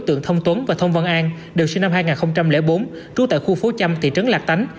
tượng thông tuấn và thông văn an đều sinh năm hai nghìn bốn trú tại khu phố chăm thị trấn lạc tánh